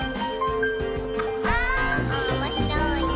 「おもしろいなぁ」